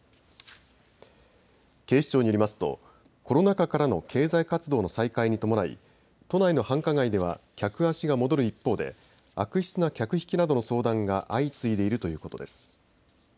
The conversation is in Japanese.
警視庁によりますとコロナ禍からの経済活動の再開に伴い都内の繁華街では客足が戻る一方で悪質な客引きなどの相談が相次いでいるということです。